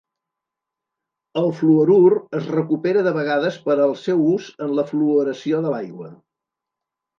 El fluorur es recupera de vegades per al seu ús en la fluoració de l'aigua.